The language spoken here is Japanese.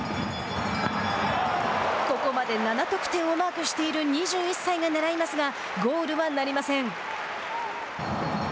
ここまで７得点をマークしている２１歳がねらいますがゴールはなりません。